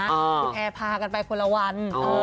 คุณแอร์พากันไปคนละวัน